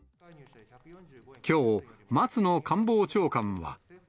きょう、松野官房長官は。